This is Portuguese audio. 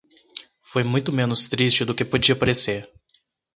foi muito menos triste do que podia parecer